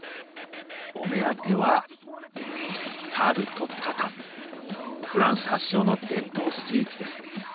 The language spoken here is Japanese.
お目当てはフランス発祥の伝統スイーツです。